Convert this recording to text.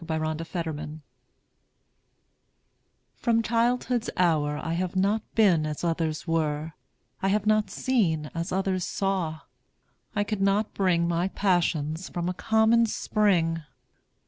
Edgar Allan Poe Alone FROM childhood's hour I have not been As others were; I have not seen As others saw; I could not bring My passions from a common spring.